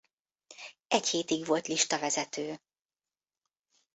Egy hétig volt listavezető.